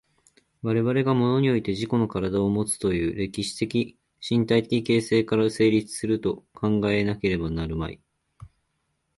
我々が物において自己の身体をもつという歴史的身体的形成から成立すると考えなければなるまい。